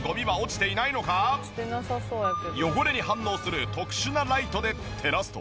だが本当に汚れに反応する特殊なライトで照らすと。